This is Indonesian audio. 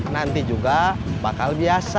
nanti juga bakal biasa